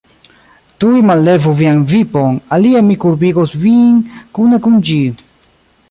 Tuj mallevu vian vipon, alie mi kurbigos vin kune kun ĝi!